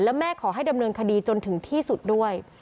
และแม่ขอให้ดำเนินคดีจนถึงที่สุดด้วย